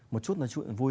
một chút nói chuyện vui